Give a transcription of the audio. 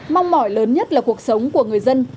mong mỏi lớn nhất là cuộc sống của người dân